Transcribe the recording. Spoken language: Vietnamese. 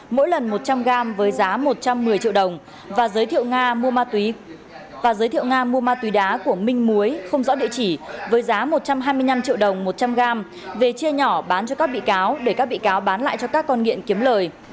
mỗi lần một trăm linh gram với giá một trăm một mươi triệu đồng và giới thiệu nga mua ma túy đá của minh muối không rõ địa chỉ với giá một trăm hai mươi năm triệu đồng một trăm linh gram về chia nhỏ bán cho các bị cáo để các bị cáo bán lại cho các con nghiện kiếm lời